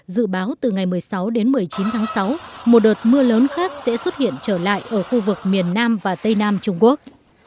dự báo từ ngày một mươi sáu đến một mươi chín tháng sáu một đợt mưa lớn khác sẽ xuất hiện trở lại ở khu vực miền nam và tây nam trung quốc